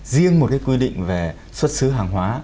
riêng một quy định về xuất xứ hàng hóa